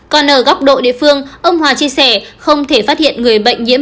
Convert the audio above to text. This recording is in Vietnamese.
còn ở góc độ địa phương ông hòa chia sẻ không thể phát hiện người bệnh nhiễm